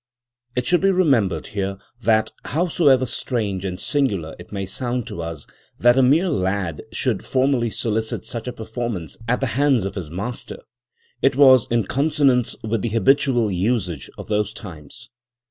It should be remembered here that, howsoever strange and singular it may sound to us that a mere lad should formally solicit such a performance at the hands of his master, it was in consonance with the habitual usage of those times.